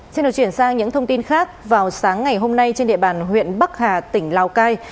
xin được chuyển sang những thông tin khác vào sáng ngày hôm nay trên địa bàn huyện bắc hà tỉnh lào cai